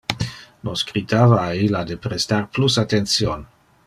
Nos critava a illa de prestar plus attention.